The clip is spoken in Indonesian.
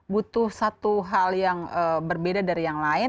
butuh satu hal yang berbeda dari yang lain